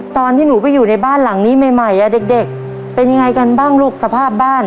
ตอนที่หนูไปอยู่ในบ้านหลังนี้ใหม่เด็กเป็นยังไงกันบ้างลูกสภาพบ้าน